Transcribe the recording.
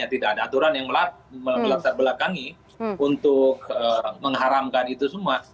tidak ada aturan yang melatar belakangi untuk mengharamkan itu semua